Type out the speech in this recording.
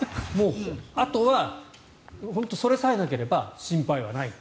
あとはそれさえなければ心配はないと。